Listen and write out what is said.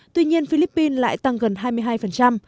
tuy nhiên philippines lại tăng gần hai mươi hai